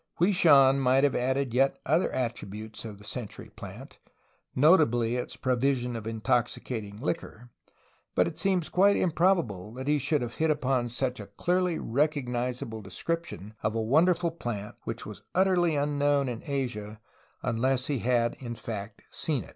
Hwui Shan might have added yet other attributes of the century plant, notably its provision of intoxicating liquor, but it seems quite improb able that he should have hit upon such a clearly recognizable description of a wonderful plant which was utterly unknown in Asia unless he had in fact seen it.